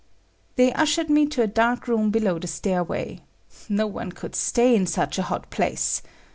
They ushered me to a dark room below the stairway. No one could stay in such a hot place!